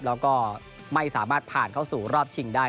แล้วก็ไม่สามารถผ่านเข้าสู่รอบชิงได้